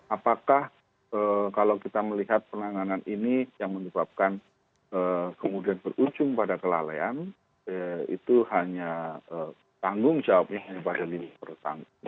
apakah kalau kita melihat penanganan ini yang menyebabkan kemudian berujung pada kelalaian itu hanya tanggung jawabnya hanya pada diri tersangka